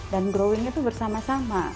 dan growing itu bersama sama